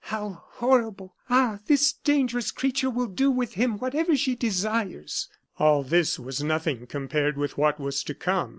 "How horrible! Ah! this dangerous creature will do with him whatever she desires." All this was nothing compared with what was to come.